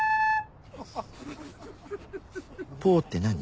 「ポ」って何？